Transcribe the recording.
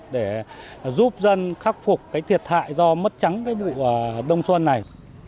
để giúp dân khắc phục thiệt hại do mất trắng vụ đông xuân này